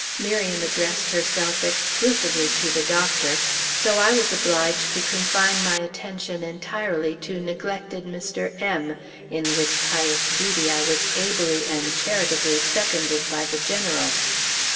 Miriam addressed herself exclusively to the Doctor, so I was obliged to confine my attention entirely to neglected Mr. M , in which pious duty I was ably and charitably seconded by the General.